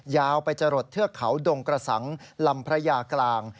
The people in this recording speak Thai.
ยาวไปจรดเทือกเขาดงกระสังลำพระยากลาง